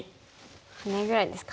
ハネぐらいですか。